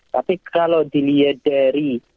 tapi kalau dilihat dari